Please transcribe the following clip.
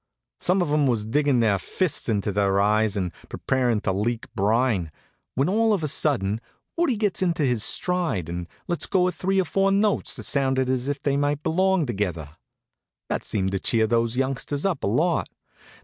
Some of 'em was diggin' their fists into their eyes and preparin' to leak brine, when all of a sudden Woodie gets into his stride and lets go of three or four notes that sounded as if they might belong together. That seemed to cheer those youngsters up a lot.